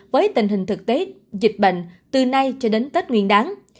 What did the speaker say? với tình hình thực tế dịch bệnh từ nay cho đến tết nguyên đáng